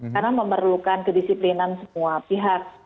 karena memerlukan kedisiplinan semua pihak